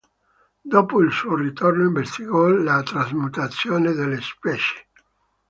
Dopo il suo ritorno, investigò la trasmutazione delle specie.